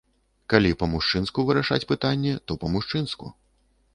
Калі па-мужчынску вырашаць пытанне, то па-мужчынску.